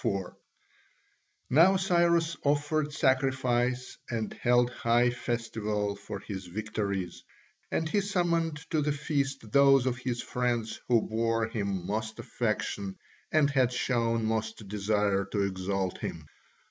[C.4] Now Cyrus offered sacrifice and held high festival for his victories, and he summoned to the feast those of his friends who bore him most affection and had shown most desire to exalt him.